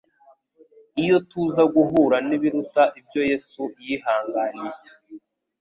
Iyo tuza guhura n'ibiruta ibyo Yesu yihanganiye,